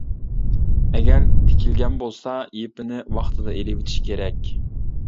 ئەگەر تىكىلگەن بولسا، يىپنى ۋاقتىدا ئېلىۋېتىش كېرەك.